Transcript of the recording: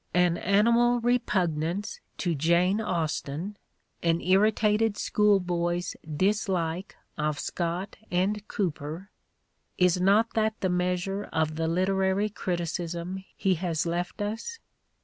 An animal repugnance to Jane Austen, an irritated schoolboy's dislike of Scott and Cooper — is not that the measure of the literary criticism he has left us?